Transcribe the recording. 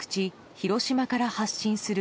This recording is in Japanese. ・広島から発信する